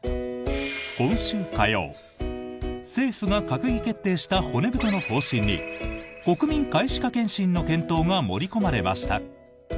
今週火曜、政府が閣議決定した骨太の方針に国民皆歯科健診の検討が盛り込まれました。